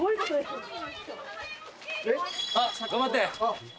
あっ頑張って。